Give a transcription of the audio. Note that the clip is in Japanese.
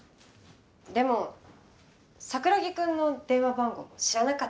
でも桜木くんの電話番号知らなかったし。